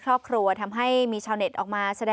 ก่อนหน้านี้คริสต์มาส